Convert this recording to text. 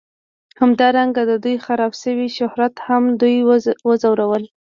همدارنګه د دوی خراب شوي شهرت هم دوی ځورول